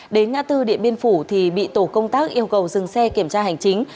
đến ngã tư điện biên phủ thì bị tổ công tác yêu cầu dừng xe kiểm tra hành chính